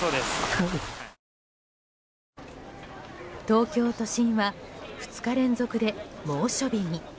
東京都心は２日連続で猛暑日に。